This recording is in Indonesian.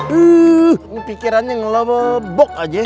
tuh pikirannya ngelobok aja